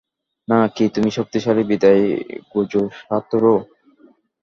না কি তুমি শক্তিশালী বিধায় গোজো সাতোরু?